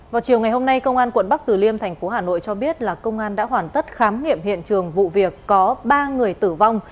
vào chiều ngày hôm nay công an quận bắc tử liêm thành phố hà nội cho biết là công an đã hoàn tất khám nghiệm hiện trường vụ việc có ba người tử vong